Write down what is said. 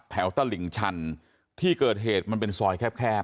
ตลิ่งชันที่เกิดเหตุมันเป็นซอยแคบ